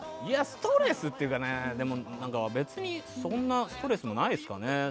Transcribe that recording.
ストレスっていうか別にそんなストレスもないです。